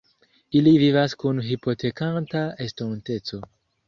Ili vivas kun hipotekanta estonteco.